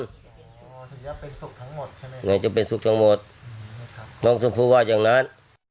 อ๋อจะเป็นสุขทั้งหมดใช่ไหมอยากจะเป็นสุขทั้งหมดน้องสมภูว่าจากนั้น